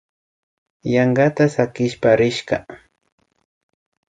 Yankata sakishpa rishka